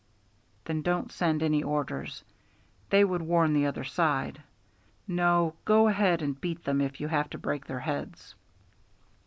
"Then don't send any orders. They would warn the other side. No, go ahead and beat them if you have to break their heads."